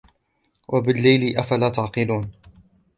وبالليل أفلا تعقلون